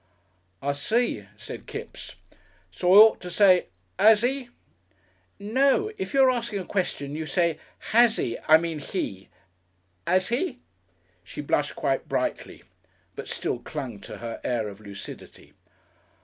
'" "I see," said Kipps. "So I ought to say 'as 'e?'" "No, if you are asking a question you say has 'e I mean he 'as he?" She blushed quite brightly, but still clung to her air of lucidity.